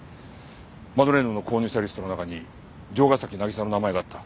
マドレーヌの購入者リストの中に城ヶ崎渚の名前があった。